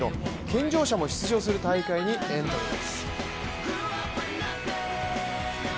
健常者も出場する大会にエントリーです。